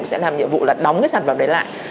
sẽ làm nhiệm vụ là đóng cái sản phẩm đấy lại